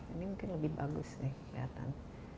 ini mungkin lebih bagus nih kelihatan